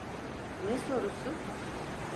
Ne sorusu?